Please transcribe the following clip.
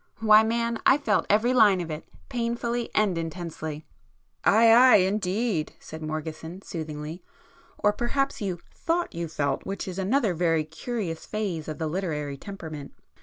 Why man, I felt every line of it!—painfully and intensely!" "Ay, ay indeed!" said Morgeson soothingly—"Or perhaps you thought you felt, which is another very curious phase of the literary temperament.